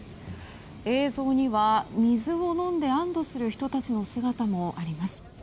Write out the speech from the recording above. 映像には水を飲んで安堵する人たちの姿もあります。